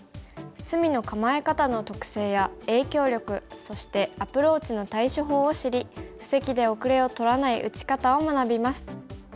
隅の構え方の特性や影響力そしてアプローチの対処法を知り布石で遅れを取らない打ち方を学びます。